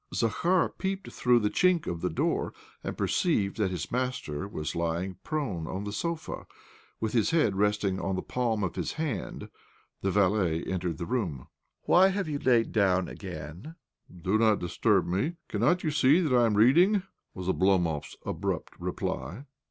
Zakhar peeped through the chink of the door, and perceived that his master was lying prone on the sofa, with his head resting on the palm of his hand. The valet entered the room. "Why have you lain down again?" he asked. "Do not disturb me : cannot you see that I am reading?" was Oblomov's abrupt reply.